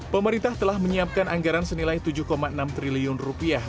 pemerintah telah menyiapkan anggaran senilai tujuh enam triliun rupiah